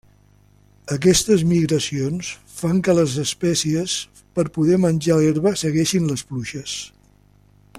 Aquestes migracions fan que les espècies per poder menjar herba segueixin les pluges.